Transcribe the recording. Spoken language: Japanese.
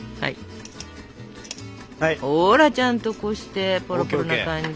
ほらちゃんとこしてポロポロな感じ。